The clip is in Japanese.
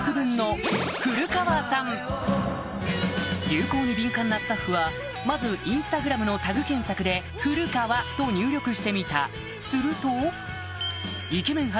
流行に敏感なスタッフはまずインスタグラムのタグ検索で「古川」と入力してみたするとイケメン